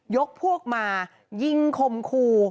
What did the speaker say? ยกพวกมายิงคมคู่